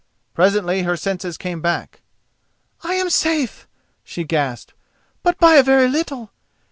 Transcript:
Presently her senses came back. "I am safe!" she gasped, "but by a very little.